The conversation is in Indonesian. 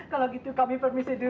kalau gitu kami permisi dulu